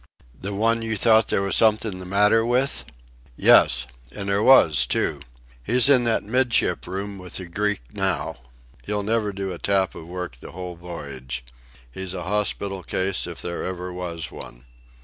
"The one you thought there was something the matter with?" "Yes, and there was, too. He's in that 'midship room with the Greek now. He'll never do a tap of work the whole Voyage. He's a hospital case, if there ever was one.